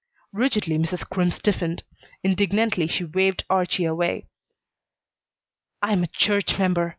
Rigidly Mrs. Crimm stiffened. Indignantly she waved Archie away. "I'm a church member.